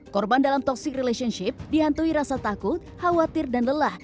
korban dalam toxic relationship dihantui rasa takut khawatir dan lelah